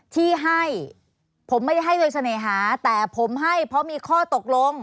ที่ให้ผมไม่ได้ให้โดยเสน่หาแต่ผมให้เพราะมีข้อตกลง